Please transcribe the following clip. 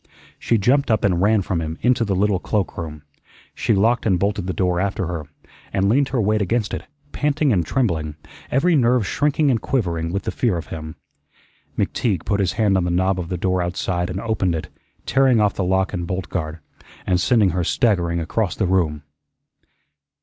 She jumped up and ran from him into the little cloakroom. She locked and bolted the door after her, and leaned her weight against it, panting and trembling, every nerve shrinking and quivering with the fear of him. McTeague put his hand on the knob of the door outside and opened it, tearing off the lock and bolt guard, and sending her staggering across the room.